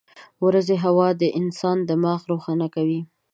• د ورځې هوا د انسان دماغ روښانه کوي.